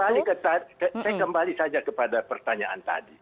tapi ini saya kembali saja kepada pertanyaan tadi